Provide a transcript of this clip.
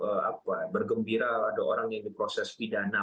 kita bukan bermaksud untuk bergembira ada orang yang diproses pidana